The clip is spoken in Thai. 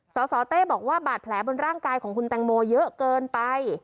สสเต้บอกว่าบาดแผลบนร่างกายของคุณแตงโมเยอะเกินไป